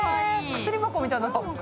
薬箱みたいになってますよ。